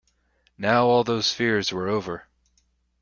Now all those fears were over.